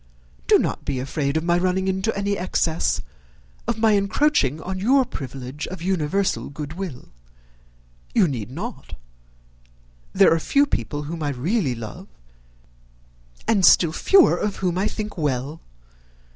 Do not be afraid of my running into any excess, of my encroaching on your privilege of universal good will. You need not. There are few people whom I really love, and still fewer of whom I think well.